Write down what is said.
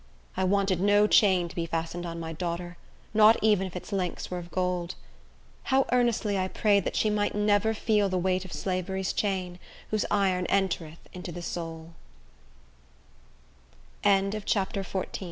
I wanted no chain to be fastened on my daughter, not even if its links were of gold. How earnestly I prayed that she might never feel the weight of slavery's chain, whose iron entereth into the soul! XV. Continued Persecutions.